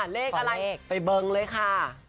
เลขอะไรไปเบิ้งเลยค่ะ